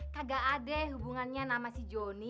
kagak ada hubungannya nama si joni